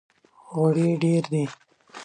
غوړي یې ډېر دي!